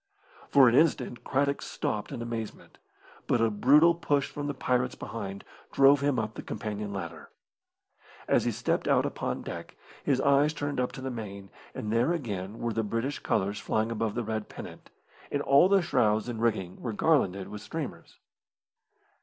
For an instant Craddock stopped in amazement, but a brutal push from the pirates behind drove him up the companion ladder. As he stepped out upon deck, his eyes turned up to the main, and there again were the British colours flying above the red pennant, and all the shrouds and rigging were garlanded with streamers.